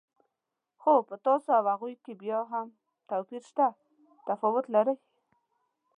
خو په تاسو او هغوی کې بیا هم توپیر شته، تفاوت لرئ.